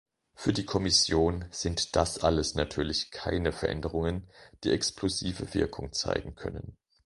Für die Kommission sind das alles natürlich keine Veränderungen, die explosive Wirkung zeigen können.